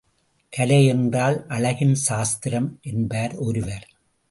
கலை என்றால் அழகின் சாஸ்திரம் என்பார் ஒருவர்.